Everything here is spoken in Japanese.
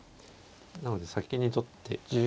なので先に取って。